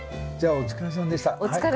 お疲れさまでした。